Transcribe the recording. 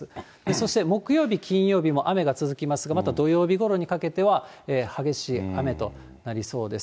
そして木曜日、金曜日も雨が続きますが、また土曜日ごろにかけては、激しい雨となりそうです。